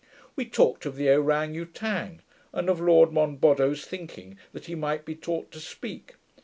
We talked of the Ouran Outang, and of Lord Monboddo's thinking that he might be taught to speak.